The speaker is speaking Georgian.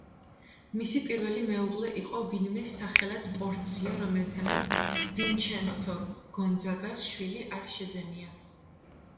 მისი პირველი მეუღლე იყო ვინმე, სახელად პორცია, რომელთანაც ვინჩენცო გონძაგას შვილი არ შეძენია.